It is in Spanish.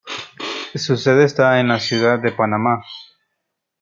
Su sede está en la ciudad de Panamá.